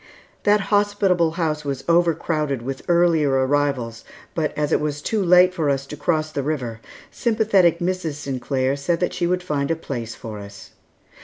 That hospitable house was over crowded with earlier arrivals, but as it was too late for us to cross the river, sympathetic Mrs. Sinclair said that she would find a place for us.